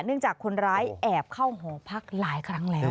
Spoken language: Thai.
จากคนร้ายแอบเข้าหอพักหลายครั้งแล้ว